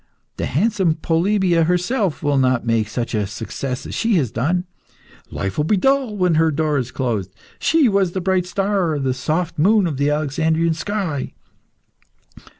The handsome Polybia herself will not make such a success as she has done." "Life will be dull when her door is closed." "She was the bright star, the soft moon of the Alexandrian sky."